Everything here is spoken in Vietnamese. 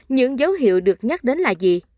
những dấu hiệu được nhắc đến là gì